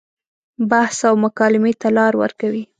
بحث او مکالمې ته لار ورکوي.